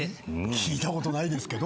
聞いたことないですけど。